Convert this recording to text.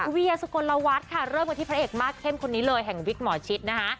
เวียสุกลวัฒน์ค่ะเริ่มกันที่พระเอกมากเข้มคนนี้เลยแห่งวิกหมอชิดนะคะ